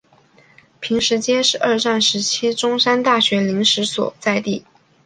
坪石街是二战时期中山大学临时所在地。